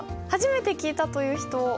初めて聞いたという人？